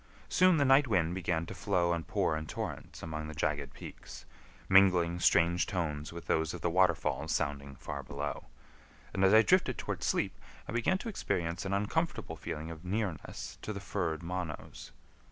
Soon the night wind began to flow and pour in torrents among the jagged peaks, mingling strange tones with those of the waterfalls sounding far below; and as I drifted toward sleep I began to experience an uncomfortable feeling of nearness to the furred Monos.